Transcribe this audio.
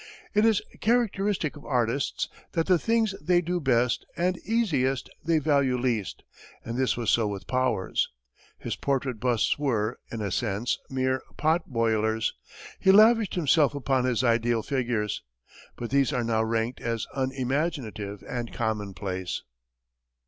It is characteristic of artists that the things they do best and easiest they value least, and this was so with Powers. His portrait busts were, in a sense, mere pot boilers; he lavished himself upon his ideal figures. But these are now ranked as unimaginative and commonplace.